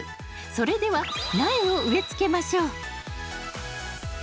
それでは苗を植え付けましょう。